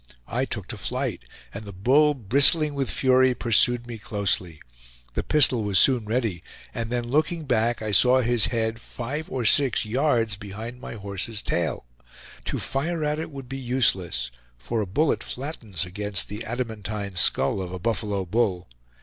I took to flight, and the bull, bristling with fury, pursued me closely. The pistol was soon ready, and then looking back, I saw his head five or six yards behind my horse's tail. To fire at it would be useless, for a bullet flattens against the adamantine skull of a buffalo bull.